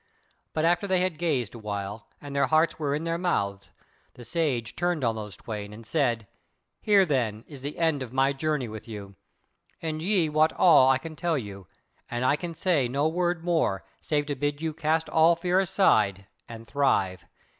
But after they had gazed awhile and their hearts were in their mouths, the Sage turned on those twain and said: "Here then is the end of my journey with you; and ye wot all that I can tell you, and I can say no word more save to bid you cast all fear aside and thrive.